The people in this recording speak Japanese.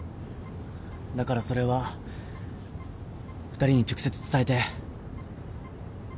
だからそれは２人に直接伝えて。